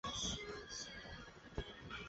他还在路上，应该要五点钟才能到家。